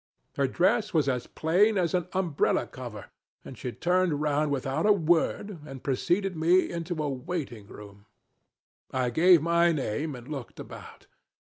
Her dress was as plain as an umbrella cover, and she turned round without a word and preceded me into a waiting room. I gave my name, and looked about.